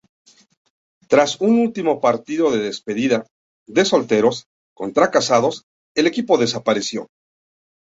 Tras un último partido de despedida "de "solteros" contra "casados"", el equipo desapareció.